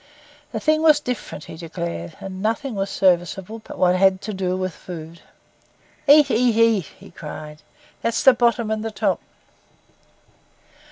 The thing was different, he declared, and nothing was serviceable but what had to do with food. 'Eat, eat, eat!' he cried; 'that's the bottom and the top.